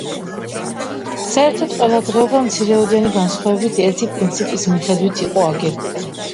საერთოდ ყველა დღეობა მცირეოდენი განსხვავებით ერთი პრინციპის მიხედვით იყო აგებული.